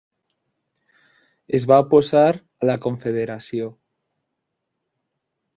Es va oposar a la confederació.